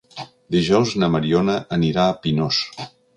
Dijous na Mariona anirà a Pinós.